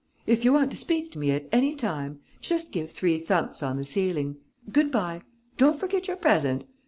If you want to speak to me at any time, just give three thumps on the ceiling. Good bye ... don't forget your present